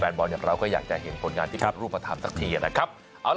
บอลอย่างเราก็อยากจะเห็นผลงานที่เป็นรูปธรรมสักทีนะครับ